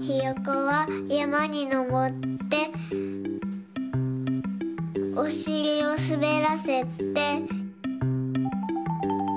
ひよこはやまにのぼっておしりをすべらせて。